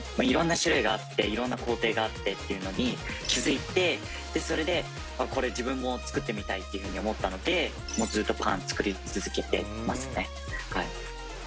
いろんな種類があっていろんな工程があってっていうのに気付いてそれでこれ自分も作ってみたいっていうふうに思ったのでもうずっとパン作り続けていますね。